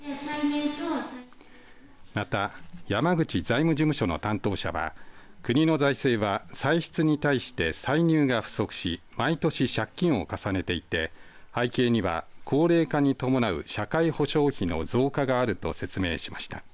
また、山口財務事務所の担当者は国の財政は歳出に対して歳入が不足し毎年、借金を重ねていて背景には高齢化に伴う社会保障費の増加があると説明しました。